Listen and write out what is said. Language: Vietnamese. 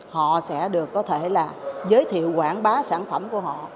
họ sẽ được có thể là giới thiệu quảng bá sản phẩm của họ